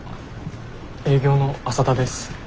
営業の浅田です。